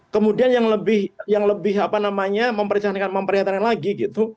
kemudian yang lebih memperhatikan lagi gitu